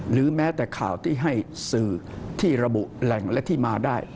หรือแม้แต่ข่าวที่ให้สื่อที่ระบุแหล่งและที่มาได้